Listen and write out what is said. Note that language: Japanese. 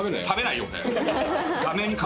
食べないよ俺。